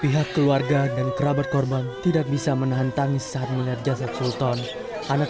pihak keluarga dan kerabat korban tidak bisa menahan tangis saat melihat jasad sultan anak